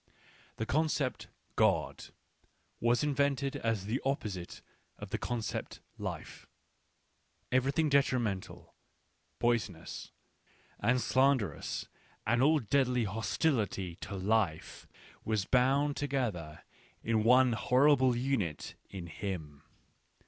The concept " God " was invented as the opposite of the concept life — everything detrimental, poisonous, and slan derous, and all deadly hostility to life, wad bound together in one horrible unit in Him.